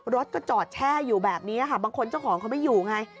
รถก็จอดแช่อยู่แบบนี้ค่ะบางคนเจ้าของเขาไม่อยู่ไง